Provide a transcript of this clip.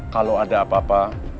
kalau ada apa apa